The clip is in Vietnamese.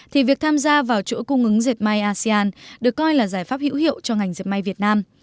thì việc tham gia vào chuỗi cung ứng dệt may asean được coi là giải pháp hữu hiệu cho ngành dẹp may việt nam